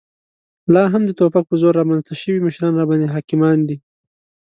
لا هم د توپک په زور رامنځته شوي مشران راباندې حاکمان دي.